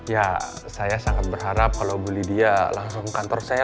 ya saya sangat berharap kalau bu lydia langsung ke kantor saya